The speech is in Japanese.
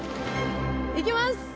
いきます！